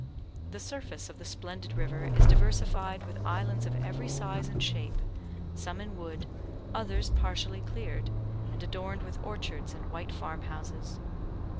The surface of the splendid river is diversified with islands of every size and shape, some in wood, others partially cleared, and adorned with orchards and white farm houses.